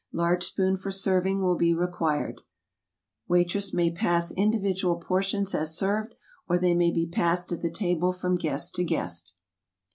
Large spoon for serving will be required. Wait ress may pass individual portions as served, or they may be passed at the table from guest to guest.